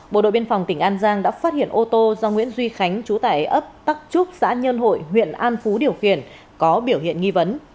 bộ đội biên phòng tỉnh an giang đã phát hiện ô tô do nguyễn duy khánh chú tải ấp tắc trúc xã nhân hội huyện an phú điều khiển có biểu hiện nghi vấn